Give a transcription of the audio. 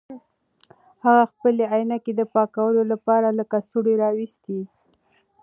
هغه خپلې عینکې د پاکولو لپاره له کڅوړې راویستې.